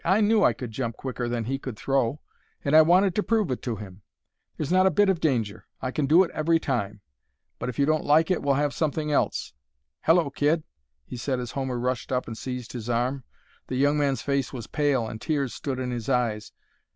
"I knew I could jump quicker than he could throw, and I wanted to prove it to him. There's not a bit of danger; I can do it every time. But if you don't like it we'll have something else. Hello, kid!" he said as Homer rushed up and seized his arm; the young man's face was pale and tears stood in his eyes.